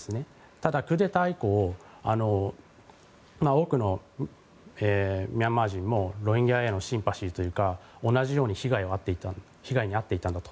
ただクーデター以降多くのミャンマー人もロヒンギャへのシンパシーというか同じように被害に遭っていたんだと。